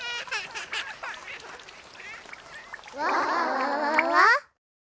わわわわわ！